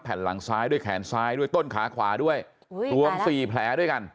หลังซ้ายด้วยแขนซ้ายด้วยต้นขาขวาด้วยรวม๔แผลด้วยกัน